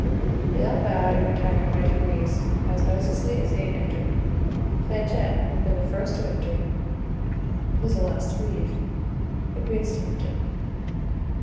They all bowed, and retired by degrees as noiselessly as they had entered. Planchet, who had been the first to enter, was the last to leave. The queen stopped him.